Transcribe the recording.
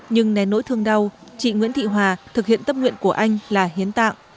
nhưng nén nỗi thương đau chị nguyễn thị hòa thực hiện tâm nguyện của anh là hiến tạng